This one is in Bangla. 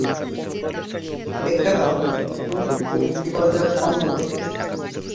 এছাড়াও নতুন সমিতি বাজার অন্যতম।